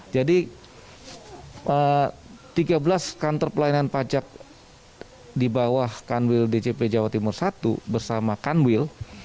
tiga belas kantor pelayanan pajak di bawah kanwil dcp jawa timur i bersama kanwil